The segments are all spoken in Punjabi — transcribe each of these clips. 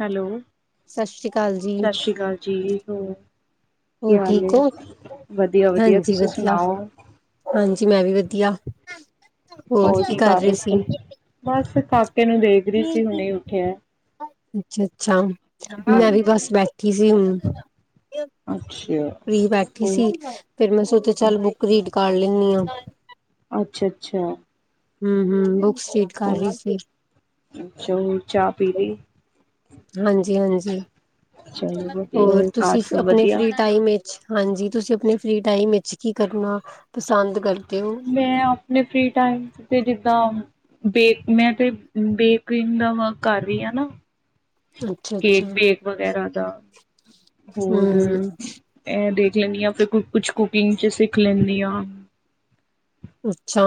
ਹੈਲੋ ਸਤਿ ਸ੍ਰੀ ਅਕਾਲ ਜੀ। ਹੂੰ ਹੋਰ ਠੀਕ ਹੈ, ਵਧੀਆ ਵਧੀਆ ਹਾਂਜੀ ਤੁਸੀਂ ਵਧੀਆ ਸੁਣਾਓ ਹਾਂਜੀ ਮੈਂ ਵੀ ਵਧੀਆ, ਹੋਰ ਹੋਰ ਕੀ ਕਰ ਰਹੇ ਸੀ ਏਨੂੰ ਦੇਖਦੀ ਸੀ ਹੁਣੇ ਉੱਠਿਆ ਅੱਛਾ ਅੱਛਾ ਮੈਂ ਵੀ ਬਸ ਹਾਂਜੀ ਬੈਠੀ ਸੀ ਹੁਣ ਅੱਛਾ ਫ੍ਰੀ ਬੈਠੀ ਹੋਰ ਸੀ, ਫੇਰ ਮੈਂ ਸੋਚਿਆ ਚੱਲ ਬੁੱਕ ਰੀਡ ਕਰ ਲੈਂਨੀ ਆ ਅੱਛਾ ਅੱਛਾ ਹੂ ਹੂ ਔ ਹੂ, ਅੱਛਾ ਚਾਹ ਪੀ ਲਈ ਹਾਂਜੀ ਹਾਂਜੀ, ਚਲੋ ਵਧੀਆ ਹੋਰ ਘਰ ਤੁਸੀਂ ਸਭ ਆਪਣੇ ਵਧੀਆ ਫਰੀ ਫ੍ਰੀ ਟਾਈਮ ਏ ਹਾਂਜੀ ਤੁਸੀਂ ਆਪਣੇ ਫ੍ਰੀ ਟਾਈਮ ਵਿੱਚ ਕੀ ਕਰਨਾ, ਪਸੰਦ ਕਰ? ਮੈਂ ਆਪਣੇ ਫ੍ਰੀ ਟਾਈਮ ਤੇ ਜਿੱਦਾਂ ਬੇ, ਮੈਂ ਤੇ ਬੇਕਰੀ ਦਾ ਵਰਕ ਕਰ ਰਹੀ ਆਂ ਨਾ। ਅੱਛਾ-ਅੱਛਾ, ਕੇਕ ਬੇਕ ਵਗੈਰਾ ਦਾ ਹੋਰ, ਹੂੰ-ਹੂੰ, ਇਹ ਦੇ ਜਾਂਦੀ ਹੈ, ਤੇ ਕੁਛ ਕੁਕਿੰਗ ਚ ਸਿੱਖ ਲੈਂਦੀ ਆ। ਅੱਛਾ,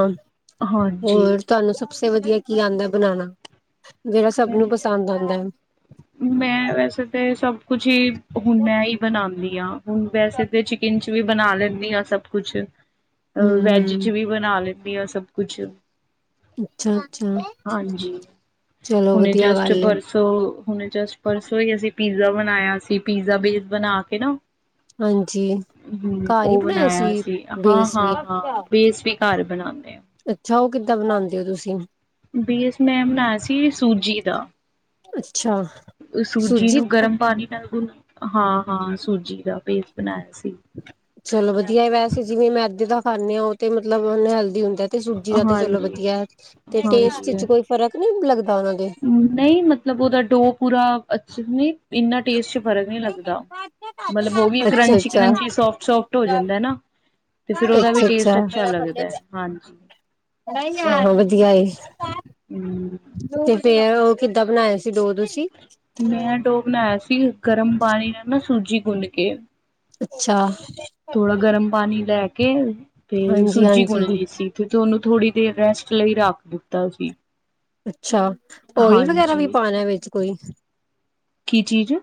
ਹਾਂਜੀ ਹੋਰ ਤੁਹਾਨੂੰ ਸਭ ਸ ਤੇ ਵਧੀਆ ਕੀ ਆਉਂਦਾ ਬਣਾਉਣਾ? ਜਿਹੜਾ ਸਭ ਮੈਂ ਨੂੰ ਪਸੰਦ ਆਉਂਦਾ। ਮੈਂ ਵੈਸੇ [unintelligible] ਹੁਣ ਮੈਂ ਹੀ ਬਣਾਉਦੀ, ਯਾ ਹੁਣ ਵੈਸੇ ਤਾਂ ਚਿਕਨ 'ਚ ਵੀ ਬਣਾ ਲੈਂਦੀ ਹਾਂ ਸਭ ਕੁਛ ਅ ਵੈਜ 'ਚ ਹੂੰ, ਵੀ ਬਣਾ ਲੈਂ ਵਆ ਸਭ ਕੁਛ ਅੱਛਾ -ਅੱਛਾ ਹਾਂਜੀ [inaudible] ਚਲੋ ਵਧੀਆ ਗੱਲ ਏ। ਹੁਣ ਜਸਟ ਪਰਸੋਂ ਹੀ ਅਸੀਂ ਪੀਜ਼ਾ ਬਣਾਇਆ ਸੀ ਪੀਜ਼ਾ ਬੇਸ ਬਣਾ ਕੇ ਨਾ ਹਾਂਜੀ, ਹੂੰ ਉਹ ਬਣਾਇਆ ਸੀ ਹਾਂ- ਬੇਸ ਵੀ। ਹਾਂ- ਹਾਂ ਬੇਸ ਵੀ ਘਰ ਬਣਾਉਂਣੇ ਅੱਛਾ ਉਹ ਕਿੱਦਾਂ ਬਣਾਉਂਦੇ ਹੋ ਤੁਸੀਂ ਬੇਸ ਮੈਂ ਬਣਾਇਆ ਸੀ ਸੂਜੀ ਦਾ ਅੱਛਾ ਸੂਜੀ ਨੂੰ ਗਰਮ ਪਾਣੀ ਨਾਲ ਗੁਣ ਹਾਂ। ਹਾਂ ਸੂਜੀ ਦਾ ਬੇਸ ਬਣਾਇਆ ਸੀ। ਚਲੋ ਵਧੀਆ ਵੈਸੇ ਜਿਵੇਂ ਮੈਂਦੇ ਦਾ। ਖਾਂਣੇ ਹਾਂ ਉਹ ਤੇ ਮਤਲਬ ਉਹ ਹੈਲਦੀ ਹੁੰਦੀ ਤੇ ਸੂਜੀ ਦਾ ਤੇ ਚਲੋ ਹਾਂਜੀ ਵਧੀਆ ਤੇ ਟੈਸਟ ਹਾਂਜੀ ਚ ਹੈ। ਕੋਈ ਫਰਕ ਨੀ ਲੱਗਦਾ ਉਹਨਾਂ ਦੇ, ਨਹੀਂ ਮਤਲਬ ਉਹਦਾ ਡੋ ਪੂਰਾ ਅੱਛਾ ਨਹੀਂ, ਇੰਨਾ ਟੇਸਟ ਚ ਫਰਕ ਨਹੀਂ ਲੱਗਦਾ, ਮਤਲਬ ਉਹ ਵੀ ਕਰੰਚੀ ਅੱਛਾ-ਅੱਛਾ, ਕਰੰਚੀ ਸੋਫਟ-ਸੋਫਟ ਹੋ ਜਾਂਦਾ ਨਾ, ਤੇ ਫੇਰ ਉਹਦਾ ਵੀ ਟੇਸਟ ਅੱਛਾ ਲੱਗਦਾ ਹੈ ਹਾਂਜੀ, ਆਹੋ ਵਧੀਆ ਐ। ਹਮ ਤੇ ਤੇ, ਉਹ ਕਿੱਦਾਂ ਬਣਾਇਆ ਸੀ ਡੋ ਤੁਸੀਂ? ਮੈਂ ਡੋ ਬਣਾਇਆ ਸੀ ਗਰਮ ਪਾਣੀ ਨਾਲ ਨਾ, ਸੂਜੀ ਗੁੰਨ ਕੇ, ਅੱਛਾ, ਥੋੜਾ ਗਰਮ ਪਾਣੀ ਲੈ ਕੇ, [inaudible] ਤੇ ਸੂਜੀ ਗੁਨ ਹਾਂਜੀ-ਹਾਂਜੀ। ਲਈ ਸੀ ਤੇ ਤੂਹਾਨੂੰ ਥੋੜੀ, ਤੇ ਰੈਸਟ ਲਈ ਰੱਖ ਦਿੱਤਾ ਸੀ। ਅੱਛਾ, ਅੱਛਾ, ਓਇਲ ਵਗੈਰਾ ਵੀ ਹਾਂਜੀ ਪਾਣਾ ਵਿੱਚ? ਕੋਈ, ਕੀ ਚੀਜ਼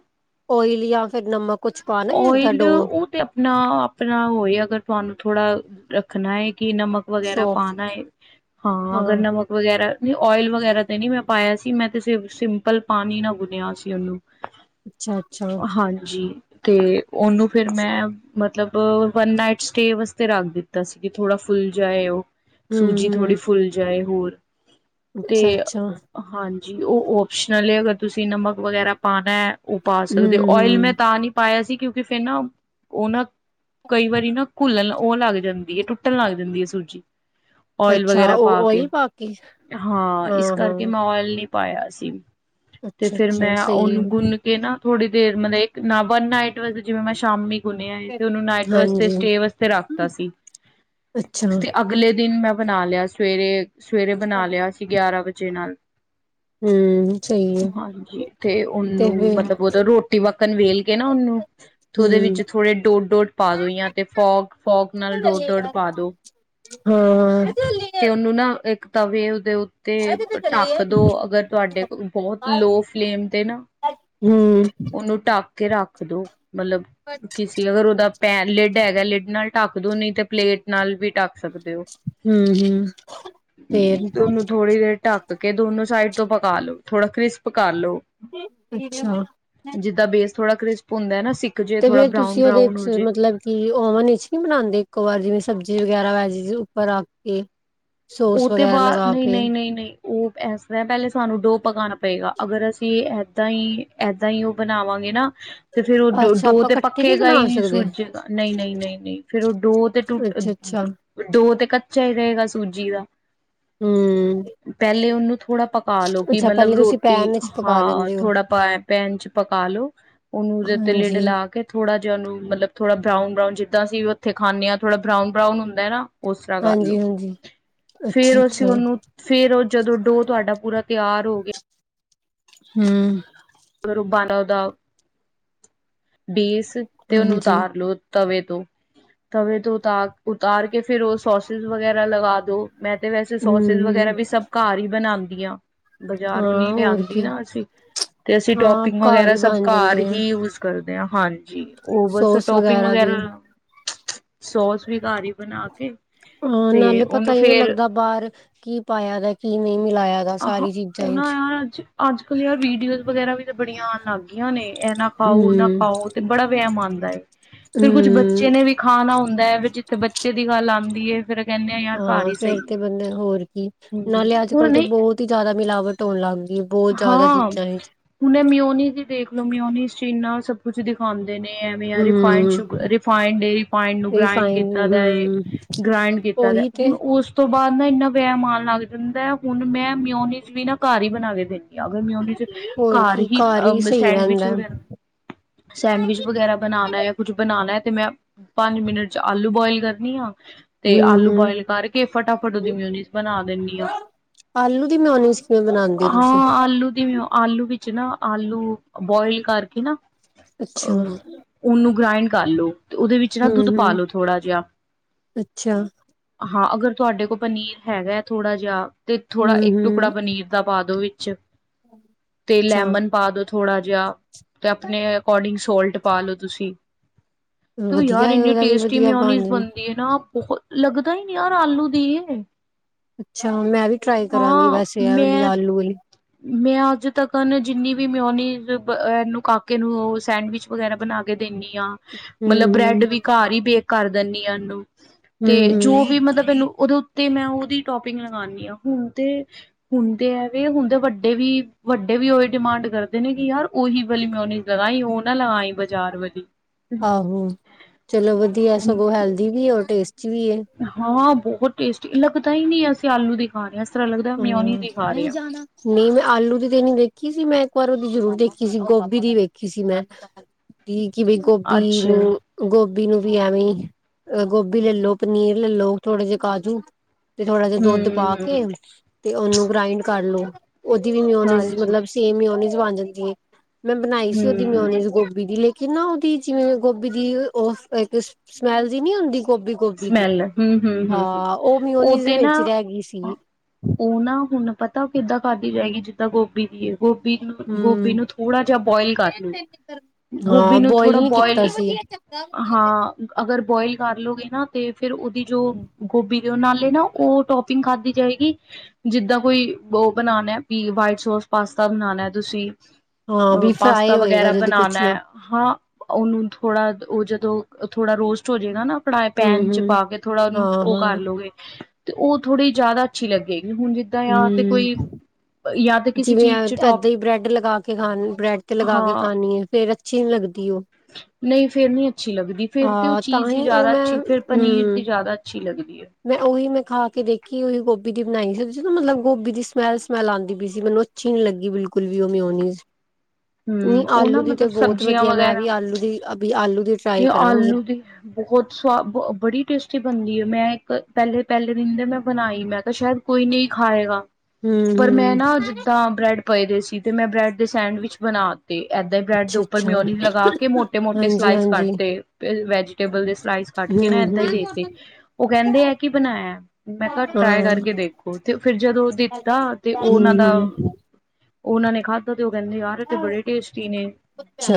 ਓਇਲ ਯਾ ਫਿਰ ਨਮਕ ਕੁਛ ਪਾਣਾ ਜਾਂ ਏਦਾਂ ਓਇਲ ਡੋ ਉਹ ਤੇ ਆਪਣਾ ਆਪਣਾ ਹੋਏ ਅਗਰ ਤੁਹਾਨੂੰ ਥੋੜਾ ਰੱਖਣਾ ਇੱਕ ਕਿ ਨਮਕ ਵਗੈਰਾ ਸੋਫ ਪਾਣਾ ਹੈ‌, ਹਾਂ ਅਗਰ ਨਮਕ ਵਗੈਰਾ ਓਇਲ ਵਗੈਰਾ ਤੇ ਨੀ ਮੈਂ ਪਾਇਆ ਸੀ ਮੈਂ ਸਿਰਫ ਸਿੰਪਲ ਪਾਣੀ ਨਾ ਬੁਣਿਆ ਸੀ ਉਹਨੂੰ ਅੱਛਾ ਅੱਛਾ ਹਾਂਜੀ ਤੇ ਉਹਨੂੰ ਫਿਰ ਮੈਂ ਮਤਲਬ ਵਨ ਨਾਈਟ ਸਟੇਅ ਵਾਸਤੇ ਰੱਖ ਦਿੱਤਾ ਸੀ ਕਿ ਥੋੜਾ ਫੁੱਲ ਜਾਏ ਉਹ ਸੂਜੀ ਥੋੜੀ ਹਮ ਫੁਲ ਜਾਏ ਹੋਰ ਅੱਛਾ ਅੱਛਾ। ਜੀ ਉਹ ਓਪਸ਼ਨਲ ਹੈ ਅਗਰ ਤੁਸੀਂ ਨਮਕ ਵਗੈਰਾ ਪਾਉਣਾ ਹੈ। ਉਹ ਪਾ ਸਕਦੇ ਹੋ ਹਮ ਓਇਲ ਮੈਂ ਹਮ ਤਾਂ ਨਹੀਂ। ਪਾਇਆ ਸੀ ਕਿਉਂਕਿ ਫੇਰ ਨਾ ਉਹ ਨਾ ਕਈ ਵਾਰੀ ਨਾ ਘੁੱਲਣ ਉਹ ਲੱਗ ਜਾਂਦੀ ਹੈ ਟੁੱਟਣ ਲੱਗ ਜਾਂਦੀ ਹੈ ਸੂਜੀ। ਓਇਲ ਅੱਛਾ ਵਗੈਰਾ ਪਾ ਉਹ ਕੇ ਓਇਲ ਹਾਂ ਇਸ ਕਰਕੇ ਮੈਂ ਓਇਲ ਨਹੀਂ। ਪਾਇਆ ਸੀ। ਤੇ ਅੱਛਾ ਫੇਰ ਅੱਛਾ ਮੈਂ ਸਹੀ ਉਹਨੂੰ ਐ। ਗੁੰਨ ਕੇ ਨਾ। ਥੋੜੀ ਦੇਰ ਮੈਂ ਇੱਕ ਨਮਕ ਵਨ ਨਾਈਟ ਵੱਲ ਤਾਂ ਜਿਵੇਂ, ਮੈਂ ਸ਼ਾਮੀ। ਗੁਣਿਆ ਹੈ ਤੇ ਉਹਨੂੰ ਨਾਈਟ ਵਾਸਤੇ ਹਾਂਜੀ ਸਟੇ ਵਾਸਤੇ ਰੱਖਤਾ ਸੀ, ਅੱਛਾ ਤੇ ਅਗਲੇ ਦਿਨ ਮੈਂ ਬਣਾ ਲਿਆ ਸਵੇਰੇ। ਸਵੇਰੇ ਬਣਾ ਲਿਆ ਸੀ, ਗਿਆਰਾਂ ਵਜੇ ਨਾਲ। ਹਮ ਸਹੀ ਹੈ ਹਾਂਜੀ, ਤੇ ਤੇ ਉਹਨੂੰ ਫਿਰ ਮਤਲਬ ਉਹਦਾ ਰੋਟੀ ਵਕਣ ਵੇਲ ਫੇਰ ਨਾ ਉਹਨੂੰ ਤੇ ਉਹਦੇ ਹਮ ਵਿੱਚ ਥੋੜੇ ਡੋਟ -ਡੋਟ ਪਾ ਦੋ ਜਾਂ ਤੇ, ਫੋਕ- ਫੋਕ ਨਾਲ ਡੋਟ -ਡੋਟ ਪਾ ਦੋ ਹਾਂ ਤੇ ਹਮ ਉਹਨੂੰ ਨਾ ਇੱਕ ਤਵੇ ਉਹਦੇ ਉਹ ਤੇ ਢੱਕ ਦੋ, ਅਗਰ ਤੁਹਾਡੇ ਕੋ ਬਹੁਤ ਲੋਅ ਫਲੇਮ ਤੇ ਨਾ, ਹਮ ਉਹਨੂੰ ਢੱਕ ਕੇ ਰੱਖ ਦੋ। ਮਤਲਬ ਕਿਸੀ ਅਗਰ ਉਹਦਾ। ਪੈਨ ਲਿਡ ਹੈਗਾ ਲਿਡ ਨਾਲ ਢੱਕ ਦੂ, ਨੀ ਤੇ ਪਲੇਟ ਨਾਲ ਵੀ ਢੱਕ ਸਕਦੇ ਹੋ ਹੂੰ, ਹੂੰ, ਫੇਰ। ਕਰਕੇ ਦੋਨੋ ਸਾਈਡ ਤੋਂ ਪਕਾ ਲੋ, ਥੋੜਾ ਕ੍ਰਿਸਪ ਪਕਾਲੋ। ਹੂੰ, ਅੱਛਾ। ਬੇਸ ਥੋੜਾ ਕਰਿਸਪ ਹੁੰਦਾ ਨਾ ਸੀ। ਤੇ ਫੇਰ ਤੁਸੀਂ ਉਹਦੇ ਚ ਮਤਲਬ ਕਿ ਓਮਨ ਵਿਚ ਨਹੀਂ ਬਣਾਂਦੇ? ਇੱਕੋ ਵਾਰ ਜਿਵੇਂ ਸਬਜ਼ੀ ਗਿਆਰਾਂ ਵਜੇ ਜੇ ਉੱਪਰ ਆ ਕੇ। ਉਹ ਸੋਸ ਤੇ ਵਗੈਰਾ ਬਾਹਰ ਲਗਾ ਨਈਂ ਕੇ ਨਈਂ ਨਈਂ ਨਈਂ। ਉਹ ਇਸ ਤਰ੍ਹਾਂ ਪਹਿਲੇ ਸਾਨੂੰ ਡੋ ਪਕਾਣਾ ਪਏਗਾ, ਅਗਰ ਅਸੀਂ ਏਦਾਂ ਈਂ, ਏਦਾਂ ਈਂ ਉਹ ਬਣਾਵਾਂਗੇ ਨਾਂ। ਤੇ ਫੇਰ ਉਹ ਡੋ ਅੱਛਾ ਡੋ ਆਪਾਂ ਤੇ ਇਕੱਠੇ ਨਹੀਂ ਪੱਕੇਗਾ ਬਣਾ ਈ ਨਈਂ, ਸਕਦੇ ਸੁਜੇਗਾ ਨਈਂ, ਨਈਂ, ਨਈਂ ਨਈਂ ਫੇਰ ਉਹ ਡੋ ਤੇ ਟੁੱ ਅੱਛਾ ਅੱਛਾ ਡੋ ਤੇ ਕੱ ਸਹੀ ਰਹੇਗਾ ਸੂਜੀ ਦਾ। ਹਮ ਪਹਿਲੇ ਉਹਨੂੰ ਥੋੜਾ ਪਕਾ ਲੋ ਕਿ ਅੱਛਾ ਮਤਲਬ ਪਹਿਲੇ ਤੁਸੀਂ ਰੋਟੀ ਪੈਨ ਵਿੱਚ ਪਕਾ ਹਾਂ, ਲੈਂਦੇ ਹੋ ਥੋੜਾ ਪ ਪੈਨ ਚ ਪਕਾ ਲੋ। ਉਹਨੂੰ ਉਹਦੇ ਉੱਤੇ ਲਿਡ ਹਾਂਜੀ ਲਾ ਕੇ ਥੋੜਾ ਜਿਹਾ ਉਹਨੂੰ ਮਤਲਬ ਥੋੜਾ ਬਰਾਊਨ ਬਰਾਊਨ ਜਿੱਦਾਂ ਅਸੀ ਉੱਥੇ ਖਾਣੇ ਹਾਂ ਥੋੜਾ ਬਰਾਊਨ ਬਰਾਊਨ ਹੁੰਦਾ ਨਾਂ। ਉਸ ਤਰ੍ਹਾਂ ਕਰ ਹਾਂਜੀ ਲੋ। ਹਾਂਜੀ ਫਿਰ ਅੱਛਾ ਅਸੀਂ ਅੱਛਾ ਉਹਨੂੰ, ਫਿਰ ਉਹ ਜਦੋਂ ਡੋ ਤੁਹਾਡਾ ਪੂਰਾ ਤਿਆਰ ਹੋ ਗਿਆ ਹਂ ਬਾਣਾ ਦਾ ਬੇਸ ਤੇ ਉਹਨੂੰ ਹਾਂਜੀ ਉਤਾਰ ਲੋੋ। ਤਵੇ ਤੋਂ ਤਵੇ ਤੋਂ ਉਤਾਰ ਉਤਾਰ ਕੇ ਫਿਰ ਉਹ ਸੋਸਜ਼ ਵਗੈਰਾ ਲਗਾ ਦੋ। ਮੈਂ ਤੇ ਵੈਸੇ ਸੋਸੇਜ ਹਮ ਵਗੈਰਾ ਹਮ ਵੀ ਸਭ ਘਾਰ ਈ ਬਣਾਂਦੀ ਵਧੀਆ ਬਾਜ਼ਾਰ ਹਾਂ ਨੀ ਹੋਰ ਲਿਆਂਦੀ ਕੀ ਨਾ ਅਸੀਂ, ਤੇ ਅਸੀਂ ਹਾਂ ਟੋਪਿੰਗ ਘਰ ਵਗੈਰਾ ਹੀ ਸਭ ਬਣ ਘਰ ਜਾਂਦੇ ਆ ਹੀ ਯੂਜ ਕਰਦੇ ਆ ਹਾਂਜੀ ਬਸ ਸੋਸ ਟੋਪਿੰਗ ਵੀ ਵਗੈਰਾ, ਸੋਸ ਵੀ ਘਰ ਹੀ ਬਣਾ ਕੇ, ਹਾਂ ਤੇ ਨਾਲੇ ਪਤਾ ਉਹਨੂੰ ਹੀ ਨਹੀਂ ਫੇਰ ਲੱਗਦਾ ਬਾਹਰ ਕੀ ਪਾਇਆ ਦਾ ਕੀ ਨਹੀਂ। ਮਿਲਾਇਆ ਦਾ ਆਹੋ ਸਾਰੀ ਚੀਜ਼ਾਂ ਉਹ ਨਾ ਵਿੱਚ ਯਾਰ ਅੱਜ ਅੱਜ ਕੱਲ ਯਾਰ ਵੀਡੀਓਜ਼ ਵਗੈਰਾ ਵੀ ਤਾਂ ਬੜੀਆਂ ਆ। ਲਾਗੀਆਂ ਨੇ, ਇਹ ਨਾ ਖਾਓ ਉਹ ਨਾ ਹਮ ਖਾਓ ਤੇ ਬੜਾ ਵਹਿਮ ਆਦਾ ਫਿਰ ਕੁੱਝ ਹਮ ਬੱਚੇ ਨੇ ਵੀ ਖਾਣਾ ਹੁੰਦਾ ਹੈ ਫੇਰ ਜਿੱਥੇ ਬੱਚੇ ਦੀ ਗੱਲ ਆਉ। [unintelligible] ਹਾਂ ਫੇਰ ਤੇ ਬੰਦਾ ਹੋਰ ਕੀ ਹਮ ਨਾਲੇ ਅੱਜ ਹੋਰ ਕੱਲ ਤੇ ਨਹੀਂ ਬਹੁਤ ਜ਼ਿਆਦਾ ਮਿਲਾਵਟ ਹੋਣ ਲਗ ਗਈ। ਬਹੁਤ ਜ਼ਿਆਦਾ ਹਾਂ ਚੀਜ਼ਾਂ ਵਿੱਚ ਹੁਨੇ ਮਿਓਨੀ ਚ ਦੇਖ ਲੋ, ਉਹ ਮਿੳਨੀ ਚੀਜ ਨਾਲ ਸਭ ਕੁਛ ਦਿਖਾ ਕਰਦੇ ਨੇ ਐਵੇ ਆ ਰਿਫਾਈਡ ਹਮ ਸੂਗ ਰਿਫਾਈਡ ਨੂੰ ਗ੍ਰੰਡ ਰਿਫਾਈਨ ਕੀਤਾ ਹਮ ਗ੍ਰੰਡ ਕੀਤਾ ਉਹੀ ਤੇ ਹੁਣ ਉਸ ਤੋਂ ਬਾਅਦ ਨਾ ਇੰਨਾ ਵੇਅ ਮਾਰਨ ਲੱਗ ਜਾਂਦਾ ਹੁਣ ਮੈਂ ਮਿਉਨੀ ਚ ਵੀ ਨਾ ਘਰ ਹੀ ਬਣਾ ਕੇ, ਦਿੰਦੀ ਅਗਰ ਮੈਂ ਉਹ ਚ ਹੋਰ ਘਰ ਕੀ ਹੀ ਅ ਸਹੀ ਸੈਂਡਵਿਚ ਰਹਿੰਦਾ ਹਮ ਵਗੈਰਾ ਸੈਂਡਵਿਚ ਵਗੈਰਾ ਬਣਾਣਾ ਜਾਂ ਕੁਛ ਬਣਾਣਾ, ਤੇ ਮੈਂ ਪੰਜ ਮਿੰਟ ਚ ਆਲੂ ਬੋਆਇਲ ਕਰਨੀ ਆ। ਤੇ ਆਲੂ ਹਮ ਬੁਇਲ ਕਰਕੇ ਫਟਾਫਟ ਉਹਦੀ ਮਿਊਨੀਜ਼ ਬਣਾ ਦਿੰਦੀ ਹਾਂ। ਆਲੂ ਦੀ ਮਿਓਨੀਜ਼ ਕਿਵੇਂ ਬਣਾਉਂਦੇ ਹੋ ਤੁਸੀਂ ਹਾਂ ਆਲੂ ਦੀ ਆਲੂ ਵਿੱਚ ਨਾ ਆਲੂ ਬੋਆਇਲ ਕਰਕੇ ਨਾ ਅੱਛਾ ਅਹ ਉਹਨੂੰ ਗ੍ਰਾਇੰਡ ਕਰ ਲਓ ਤੇ ਉਹਦੇ ਵਿੱਚ ਨਾ ਹਮ ਦੁੱਧ ਪਾ ਹਮ ਲਓ ਥੋੜ੍ਹਾ ਜਿਹਾ ਅੱਛਾ ਹਾਂ ਅਗਰ ਤੁਹਾਡੇ ਕੋਲ ਪਨੀਰ ਹੈਗਾ ਹੈ ਥੋੜਾ ਜਿਹਾ ਤੇ ਥੋੜਾ ਹਮ ਇੱਕ ਹਮ ਟੁਕੜਾ ਪਨੀਰ ਦਾ ਪਾਦੋ ਚ ਤੇ ਅੱਛਾ ਲੈਮਨ ਪਾ ਦੋ ਥੋੜਾ ਜਿਹਾ ਤੇ ਆਪਣੇ ਅਕੋਰਡਿੰਗ ਸੋਲਟ ਪਾ ਲੋੋ ਤੁਸੀਂ ਤੂੰ ਵਧੀਆ ਯਾਰ ਇੰਨੀ ਉਹਦਾ ਵੀ ਟੇਸਟੀ ਵਧੀਆ ਬਣ ਮਿਉਨੀਜ਼ ਜਾਣ ਬਣਦੀ ਹੈ ਨਾ ਬਹੁਤ ਲੱਗਦਾ ਹੀ ਨੀ ਯਾਰ ਆਲੂ ਦੀ ਅੱਛਾ ਮੈਂ ਵੀ ਟਰਾਈ ਕਰਾਂਗੀ ਹਾਂ ਵੈਸੇ ਇਹ ਮੈਂ ਆਲੂ ਵਾਲੀ ਮੈਂ ਅੱਜ ਤੱਕ ਜਿੰਨੀ ਵੀ ਮੈਂ ਉਹਨੂੰ ਕਾਕੇ ਨੂੰ ਉਹ ਸੈਂਡਵਿਚ ਵਗੈਰਾ ਬਣਾ ਕੇ ਦਿੰਦੀ। ਮਤਲਬ ਹਮ ਬ੍ਰੈਡ ਹਮ ਵੀ ਘਰ ਹੀ ਬੇਖ ਕਰ ਦਿੰਦੀ ਏਨੂੰ ਤੇ ਹਮ ਹਮ ਜੋ ਵੀ ਮਤਲਬ ਇਹਨੂੰ ਉਹਦੇ ਉੱਤੇ ਮੈਂ, ਉਹਦੀ ਟੋਪਿੰਗ ਲਗਾਨੀ ਆ, ਹੁਣ ਤੇ, ਹੁਣ ਤੇ ਐਵੇ ਹੁਣ। ਵੱਡੇ- ਵੀ, ਵੱਡੇ- ਵੀ, ਉਹੀ ਡਿਮਾਂਡ ਕਰਦੇ ਨੇ ਕਿ, ਯਾਰ ਉਹੀ ਵਲੀ ਉਹੀ ਵਾਲੇ ਮਿਉਨੀਜ਼ ਲਗਈ ਉਹ ਨਾ ਲਗਾਈ ਬਜ਼ਾਰ ਵਲੀ। ਆਹੋ। ਚਲੋ, ਵਧੀਆ ਸਗੋਂ ਹੈਲਦੀ ਵੀ, ਟੈਸ ਹਾਂ, ਬਹੁਤ ਟੇਸਟੀ। ਪਤਾ ਹੀ ਨਹੀਂ, ਅਸੀਂ ਆਲੂ ਦਿਖਾਨੇ ਆ ਹੂੰ, ਨਹੀਂ ਜਾਣਾ? ਨਹੀਂ। ਮੈਂ, ਆਲੂ ਦੀ ਦੇਣੀ ਦੇੇਖੀ ਸੀ। ਮੈਂ ਹੋਰ, ਉਦੋ ਜ਼ਰੂਰ ਦੇਖੀ ਸੀ, ਗੋਭੀ ਦੀ ਵੇਖੀ ਸੀ। ਮੈਂ, ਕਿਵੇ ਗੋਭੀ ਅੱਛਾ ਨੂੰ? ਗੋਭੀ ਗੋਭੀ ਨੂੰ ਵੀ, ਐਵੇਂ ਅ ਗੋਭੀ ਲੈਲੋ, ਪਨੀਰ ਲੈਲੋ, ਥੋੜੇ ਜਿਹੇ ਕਾਜੂ ਤੇ, ਥੋੜਾ ਜਿਹਾ ਹੂੰ ਦੁੱਧ ਹੂੰ ਪਾਕੇ ਉਹਨੂੰ ਗ੍ਰਾਇੰਡ ਕਰ ਲਓ। ਉਹਦੀ ਵੀ, ਮਿਉਨਿਜ਼ ਹਾਂਜੀ ਮਤਲਬ, ਸੇਮ ਮਿਉਨਿਜ਼। ਬਣ ਜਾਂਦੀ ਏ। ਮੈਂ ਬਣਾਈ ਸੀ, ਉਹਦੀ ਹੂੰ, ਮਿਉਨੀਜ਼ ਗੋਭੀ ਦੀ । ਕਿੰਨਾ, ਉਹਦੀ ਜਿਵੇਂ ਗੋਭੀ ਦੀ ਉਹ ਇੱਕ ਸਮੈਲ ਜੀ ਨੀ ਆੳਂਂਦੀ। ਗੋਭੀ- ਗੋਭੀ ਦੀ, ਸਮੈਲ ਹੂੰ-ਹੂੰ-ਹੂੰ-ਹੂੰ ਹਾਂ, ਉਹ ਮਿਉਨੀਜ਼ ਦੇ ਤੇ ਨਾ ਵਿੱਚ ਰਹਿ ਗਈ ਸੀ। ਉਹ ਨਾ ਹੁਣ। ਪਤਾ ਉਹ ਕਿੱਦਾਂ ਖਾਂਦੀ ਜਾਏਗੀ ਜਿੱਦਾਂ ਗੋਭੀ ਦੀ ਹੈ। ਗੋਭੀ ਨੂੰ ਗੋਭੀ ਹੂੰ ਨੂੰ ਥੋੜਾ ਜਿਹਾ ਬੋਇਲ ਕਰ ਲੋ ਗੋਭੀ ਹਾਂ ਨੂੰ ਥੋੜਾ ਨੀ ਕੀਤਾ ਬੋਇਲ ਸੀ। ਹਾਂ ਅਗਰ ਬੋਇਲ ਕਰ ਲਓਗੇ ਤੇ ਫੇਰ ਉਹਦੀ ਜੋ ਗੋਭੀ ਦੇ ਉਹ ਨਾਲੇ ਨਾ ਉਹ ਟੋਪਿੰਗ ਖਾਧਦੀ ਜਾਏਗੀ ਜਿੱਦਾਂ ਕੋਈ ਉਹ ਬਣਾਉਣਾ ਵੀ ਵਾਈਟ ਸੋਸ ਪਾਸਤਾ ਬਣਾਣਾ ਤੁਸੀਂ ਹਾਂ ਅ ਵੀ ਪਾਸਤਾ ਫਰਾਈ ਹੋਏਗਾ ਵਗੈਰਾ ਜਦੋਂ ਬਨਾਨਣਾ ਕੁਛ ਨਾ ਹੈ ਹਾਂ। ਉਹਨੂੰ ਥੋੜਾ ਉਹ ਜਦੋਂ ਥੋੜਾ ਰੋਸਟ ਹੋ ਜਾਏਗਾ ਨਾ ਪੜ੍ਹਾਆ ਪੈਨ ਚ ਹੂੰ-ਹੂੰ ਪਾ ਕੇ ਥੋੜਾ ਉਹਨੂੰ ਉਹ ਕਰ ਹਾਂ-ਹਾਂ ਲਓਗੇ ਤੇ ਉਹ ਥੋੜੀ ਜ਼ਿਆਦਾ ਅੱਛੀ ਲੱਗੇਗੀ। ਹੁਣ ਜਿੱਦਾਂ ਜਾਂ ਤੇ ਕੋਈ ਹੂੰ ਜਾਂ ਤੇ ਕਿਸੇ ਜਿਵੇਂ ਚੀਜ਼ ਚ ਏਦਾਂ ਟੋਪ ਹੀ ਬ੍ਰੈਡ ਲਗਾ ਕੇ ਖਾ ਬ੍ਰੈਡ ਤੇ ਲਗਾ ਕੇ ਹਾਂ ਖਾਣੀ ਹੈ ਫੇਰ ਅੱਛੀ ਨੀ ਲੱਗਦੀ ਉਹ ਨਹੀਂ ਫੇਰਨੀ ਅੱਛੀ ਲੱਗਦੀ ਫੇਰ ਤੇ ਉਹ ਹਾਂ ਤਾਂ ਚੀਜ਼ ਹੀ ਉਹ ਜ਼ਿਆਦਾ ਮੈਂ ਅੱ ਫਿਰ ਪਨੀਰ ਦੀ ਹੂੰ ਜ਼ਿਆਦਾ ਅੱਛੀ ਲੱਗਦੀ। ਹੈ ਮੈਂ ਉਹੀ ਮੈਂ ਖਾ ਦੇਖੀ ਉਹੀ ਗੋਭੀ ਦੀ ਬਣਾਈ ਸੀ ਮਤਲਬ ਗੋਭੀ ਦੀ ਸਮੈਲ-ਸਮੈਲ ਆਉਂਦੀ ਪਈ ਸੀ ਮੈਨੂੰ ਅੱਛੀ ਨੀ ਲੱਗੀ ਉਹ ਮੇਉਣੀਅਸ ਨਹੀਂ ਹਮ ਉਹ ਨਾ ਆਲੂ ਦੀ ਤੇ ਮਤਲਬ ਬਹੁਤ ਸਬਜ਼ੀਆਂ ਵਧੀਆ ਮੈਂ ਵੀ ਆਲੂ ਦੀ ਅ ਆਲੂ ਦੀ ਤੇ ਟਰਾਈ ਕਰਾਂਗੀ। ਆਲੂ ਦੀ ਬਹੁਤ ਸਵਾਦ ਬੜੀ ਟੇਸਟੀ ਬਣਦੀ ਹੈ ਮੈਂ ਮੈਂ ਇੱਕ ਪਹਿਲੇ-ਪਹਿਲੇ ਦਿਨ ਦੇ ਮੈਂ ਬਣਾਈ, ਮੈਂ ਕਿਹਾ ਸ਼ਾਇਦ ਕੋਈ ਨਹੀਂ ਖਾਏਗਾ। ਪਰ ਮੈਂ ਹੂੰ-ਹੂੰ ਨਾ ਜਿੱਦਾਂ ਬ੍ਰੈਡ ਪਏਦੇ ਸੀ ਤੇ ਮੈਂ ਬ੍ਰੈਡ ਦੇ ਸੈਂਡਵਿਚ ਬਣਾ ਤੇ ਏਦਾਂ ਹੀ ਬ੍ਰੈਡ ਦੇ ਉੱਪਰ ਅੱਛਾ-ਅੱਛਾ ਮਿਓਨੀ ਲਗਾ ਕੇ ਮੋਟੇ-ਮੋਟੇ ਸਲਾਈਸ ਹਾਂਜੀ-ਹਾਂਜੀ ਕੱਟ ਤੇ, ਫਿਰ ਵੈਜੀਟੇਬਲ ਦੇ ਸਲਾਈਸ ਕੱਟ ਕੇ ਨਾ ਏਦਾਂ ਹੀ ਦੇਤੇ। ਹੂੰ-ਹੂੰ, ਉਹ ਕਹਿੰਦੇ ਆ ਕਿ ਬਣਾਇਆ? ਮੈਂ ਤਾਂ ਟਰਾਈ ਕਰਕੇ ਦੇਖੋ ਤੇ ਫਿਰ ਜਦੋਂ ਉਹ ਦਿੱਤਾ ਤੇ ਉਹ ਉਹਨਾਂ ਦਾ ਉਹਨਾਂ ਨੇ ਖਾਧਾ ਤੇ ਔ ਕਹਿੰਦੇ, ਯਾਰ ਤੇ ਬੜੇ ਟੇਸਟੀ ਨੇ,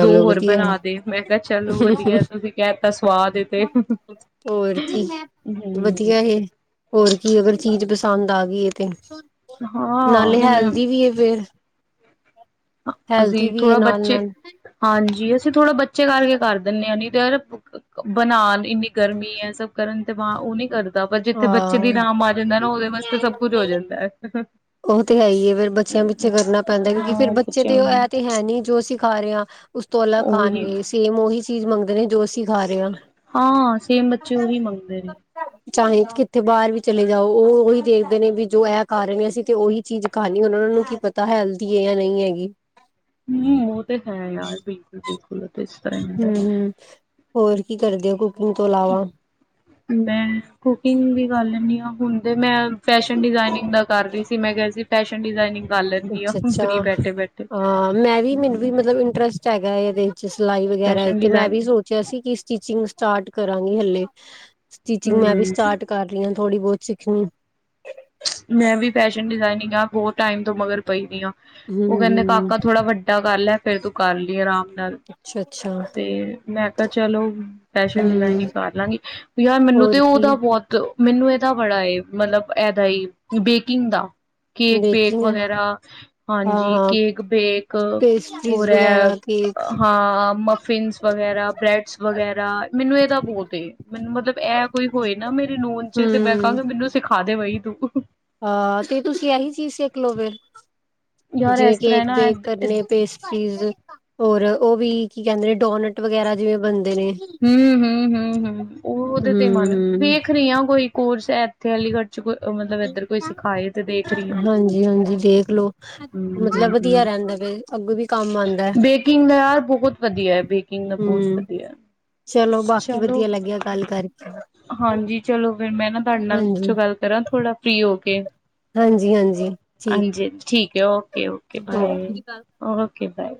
ਦੋ ਹੋਰ ਵਧੀਆ ਹੈ ਬਣਾ ਦੇ ਮੈਂ ਕਿਹਾ ਚਲੋ ਵਧੀਆ ਤੁਸੀਂ ਕਹਿ ਤਾ ਸਵਾਦ ਏ ਤੇ ਹੂੰ ਹੋਰ ਕੀ, ਵਧੀਆ ਏ, ਹੋਰ ਕੀ ਅਗਰ ਚੀਜ਼ ਪਸੰਦ ਆ ਗਈ ਇਹ ਤੇ ਹਾਂ ਨਾਲੇ ਹੁਣ ਹੈਲਦੀ ਵੀ ਏ ਫਿਰ ਅਸੀਂ ਥੋੜਾ ਬੱਚੇ, ਨਾਲ-ਨਾਲ ਹਾਂਜੀ ਅਸੀਂ ਥੋੜਾ, ਬਚੇ ਕਰਕੇ ਕਰ ਦਿਨੇ ਆ ਏਨੀ ਦੇਰ ਭੁੱਖ, ਬਣਾ ਇੰਨੀ ਗਰਮੀ ਐ, ਸਭ ਕਰਨ ਤੇ ਵਾਂ, ਉਹ ਨੀ ਕਰ ਬਾਬਾ, ਜਿੱਥੇ ਬੱਚੇ ਦੀ ਹਾਂ। ਨਾਮ ਆ ਜਾਂਦਾ ਨਾ, ਉਹਦੇ ਵਾਸਤੇ ਸਭ ਕੁਝ ਹੋ ਜਾਂਦਾ ਐ। ਉਹ ਤੇ ਹੈ ਹੀ ਏ ਫਿਰ ਬੱਚਿਆਂ ਪਿੱਛੇ ਕਰਨਾ ਪੈਂਦਾ ਕਿਉਂਕਿ ਫਿਰ ਹਾਂ ਬੱਚੇ ਬੱਚੇ ਬੱਚਿਆਂ ਤੇ ਨੂੰ ਇਹ ਤੇ ਹੈ ਨੀ ਜੋ ਅਸੀ ਕਰ ਰਿਹਾ। ਉਸ ਤੋਂ ਅਲੱਗ ਉਹੀ ਖਾਣਗੇ ਸੇਮ ਉਹੀ ਚੀਜ਼ ਮੰਗ ਨੇ ਜੋਸ਼ ਹਾਂ ਸੇਮ ਬੱਚੇ ਉਹੀ ਮੰਗਦੇ ਨੇ। ਚਾਹੇ ਕਿੱਥੇ ਬਾਹਰ ਵੀ ਚਲੇ ਜਾਓ ਉਹ ਉਹੀ ਦੇਖਦੇ ਨੇ ਵੀ ਜੋ ਖਾ ਰਹੇ ਹਾਂ ਅਸੀਂ ਤੇ ਉਹੀ ਚੀਜ਼ ਖਾਣੀ ਹੁ ਉਹਨਾਂ ਨੂੰ ਕੀ ਪਤਾ ਹੈ ਹਲਦੀ ਹੈ ਜਾਂ ਨਹੀਂ ਹੈਗੀ। ਕੀ ਉਹ ਤੇ ਹੈ ਯਾਰ ਬਿਲਕੁਲ ਬਿਲਕੁਲ ਉਹ ਤੇ ਇਸ ਤਰ੍ਹਾਂ ਹੀ ਹੁੰਦਾ। ਹੂੰ ਹੂੰ ਹੋਰ ਕੀ ਕਰਦੇ ਹੋ- ਕੁਕਿੰਗ ਤੋਂ ਇਲਾਵਾ? ਮੈਂ ਕੁਕਿੰਗ ਵੀ ਕਰ ਲੈਦੀ ਹੈ। ਹੁਣ ਤੇ ਮੈਂ ਫੈਸ਼ਨ ਡਿਜ਼ਾਇਨਿੰਗ ਦਾ ਕਰ ਰਹੀ ਸੀ ਮੈਂ ਕਿਹਾ ਸੀ ਫੈਸ਼ਨ ਡਿਜ਼ਾਈਿੰਗ ਅੱਛਾ ਅੱਛਾ ਅਹ ਮੈਂ ਵੀ ਮੈਨੂੰ ਵੀ ਮਤਲਬ ਇੰਟਰਸਟ ਹੈਗਾ ਹੈ। ਸਿਲਾਈ ਵਗੈਰਾ ਫੈਸ਼ਨ ਤੇ ਮੈਂ ਵੀ ਡਿਜ਼ਾਇਨਿੰਗ ਸੋਚਿਆ ਸੀ ਕਿ ਸਟਿਚਿੰਗ ਸਟਾਰਟ ਕਰਾਂਗੀ ਹਲੇ ਸਟਿਚਿੰਗ ਮੈਂ ਵੀ ਹੂੰ, ਸਟਾਰਟ ਕਰ ਰਹੀ ਆਂ। ਥੋੜੀ ਬਹੁਤ ਸਿੱਖਣੀ ਮੈਂ ਵੀ ਫੈਸ਼ਨ ਡਿਜ਼ਾਇਨਿੰਗ ਆਪ ਹੋਰ ਟਾਈਮ ਤੋਂ ਮਗਰ ਪਈਦੀ ਆਂ। ਉਹ ਕਹਿੰਦੇ ਹੂੰ-ਹੂੰ ਕਾਕਾ ਥੋੜਾ ਵੱਡਾ ਕਰ ਲੈ। ਫੇਰ ਤੂੰ ਕਰ ਲਈ ਆਰਾਮ ਨਾਲ ਅੱਛਾ-ਅੱਛਾ ਤੇ ਮੈਂ ਕਿਹਾ ਚਲੋ ਫੈਸ਼ਨ ਹੂੰ ਡਿਜ਼ਾਇਨਿੰਗ ਕਰ ਲਾਂਗੀ, ਯਾਰ ਮੈਨੂੰ ਤੇ ਹੋਰ ਕੀ ਉਹਦਾ ਬਹੁਤ ਮੈਨੂੰ ਇਹ ਤਾਂ ਬੜਾ ਏ ਮਤਲਬ ਦਾ ਹੀ ਬੇਕਿੰਗ ਦਾ ਕੇਕ ਬੇਕ ਬੇਕਿੰਗ ਵਗੈਰਾ ਹਾਂਜੀ, ਹਾਂ ਕੇਕ ਬੇਕ ਪੇਸਟਰੀਜ਼ ਹੋਰ ਐ, ਵਗੈਰਾ ਕੇਕ ਹਾਂ ਮਫਿਨਸ ਵਗੈਰਾ, ਬ੍ਰੈਡਸ ਵਗੈਰਾ ਮੈਨੂੰ ਇਹਦਾ ਬਹੁਤ ਮੈਨੂੰ ਮਤਲਬ ਇਹ ਕੋਈ ਹੋਏ ਨਾ ਮੇਰੇ ਨੋਨ ਚ ਹੂੰ ਤੇ ਮੈਂ ਕਹਾਂਗੀ ਮੈਨੂੰ ਸਿਖਾ ਖਾ ਦੇ ਬਈ [unintelligible] ਹਾਂ ਤੇ ਤੁਸੀਂ ਇਹੀ ਚੀਜ਼ ਸਿੱਖ ਲਓ ਫਿਰ ਯਾਰ ਜਿਵੇਂ ਇਸ ਤਰ੍ਹਾਂ ਕੇਕ ਪੈਕ ਨਾ ਕਰਨੇ। ਪੇਸਟਰੀਜ਼ ਔਰ ਉਹ ਵੀ ਕੀ ਕਹਿੰਦੇ ਨੇ ਡੋਨਟ ਵਗੈਰਾ ਜਿਵੇਂ ਬਣਦ ਹਂ, ਹਂ, ਹਂ, ਹਂ। ਉਹ ਹੂੰ, ਉਹਦੇ ਤੇ ਮਨ ਹੂੰ ਵੇਖ ਰਹੀ ਆਂ ਕੋਈ ਹੋਰ ਸ਼ਹਿਰ ਇੱਥੇ ਅਲੀਗੜ੍ਹ ਚ ਕੋਈ ਮਤਲਬ ਇੱਧਰ ਕੋਈ ਸਿਖਾਏ ਤੇ ਦੇਖ ਰਹੀ ਹਾਂ। ਹਾਂਜੀ-ਹਾਂਜੀ ਦੇਖਲੋ ਮਤਲਬ ਹੂੰ-ਹੂੰ-ਹੂੰ ਵਧੀਆ ਰਹਿੰਦਾ ਫੇਰ ਅੱਗੋਂ ਵੀ ਕੰਮ ਆਦਾ ਹੈ। ਵਧਦੀਆ ਹੈ ਵੀ ਕੀ ਦਾ ਬਹੁਤ ਵਧੀਆ ਚਲੋ ਬਾਕੀ ਚਲੋ ਵਧੀਆ ਲੱਗਿਆ ਗੱਲ ਕਰਕੇ ਹਾਂਜੀ ਚਲੋ ਫਿਰ ਮੈਂ ਨਾ ਤੁਹਾਡੇ ਨਾਲ ਬਾਦ ਚੋ ਹਾਂਜੀ, ਗੱਲ ਕਰਾਂ? ਥੋੜਾ ਫ੍ਰਰੀ ਹੋ ਕੇ ਹਾਂਜੀ-ਹਾਂਜੀ ਠੀਕ ਹਾਂਜੀ-ਹਾਂਜੀ। ਠੀਕ ਓਕੇ, ਓਕੇ ਓਕੇ ਬਾਏ ਹੋਰ ਓਕੇ ਬਾਏ।